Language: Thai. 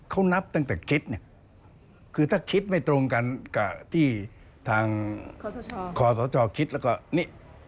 เขานับตั้งแต่คิดเนี่ยคือถ้าคิดไม่ตรงกันกับที่ทางคศคิดแล้วก็นี่